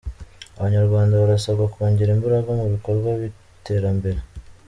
Abanyarwanda barasabwa kongera imbaraga mu bikorwa by’iterambere